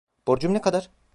Borcum ne kadar?